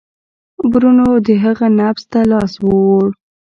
برونو د هغه نبض ته لاس ووړ.